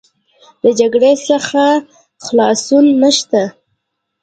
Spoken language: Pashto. د جګړې څخه خلاصون نشته.